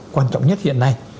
quan trọng nhất hiện nay